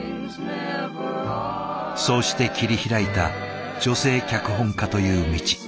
そうして切り開いた女性脚本家という道。